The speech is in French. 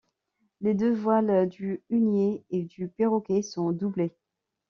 Les deux voiles du hunier et du perroquet sont doublées.